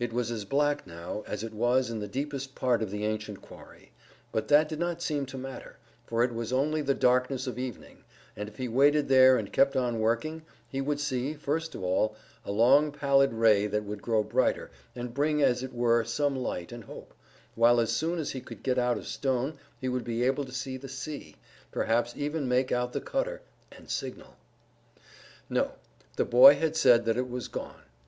It was as black now as it was in the deepest part of the ancient quarry, but that did not seem to matter, for it was only the darkness of evening, and if he waited there and kept on working, he would see, first of all, a long pallid ray that would grow brighter, and bring as it were some light and hope, while as soon as he could get out a stone he would be able to see the sea, perhaps even make out the cutter, and signal. No: the boy had said that it was gone.